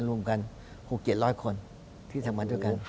รวมกัน๖๗๐๐คนที่ทำมาด้วยกัน